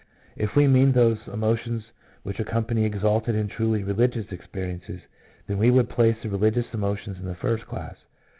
If we mean those emotions which accompany exalted and truly religious experiences, then we would place the religious emotions in the first class.